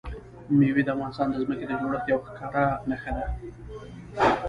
مېوې د افغانستان د ځمکې د جوړښت یوه ښکاره نښه ده.